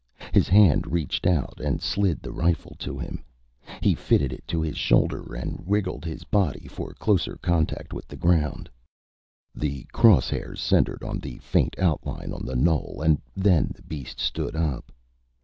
His hand reached out and slid the rifle to him. He fitted it to his shoulder and wriggled his body for closer contact with the ground. The cross hairs centered on the faint outline on the knoll and then the beast stood up.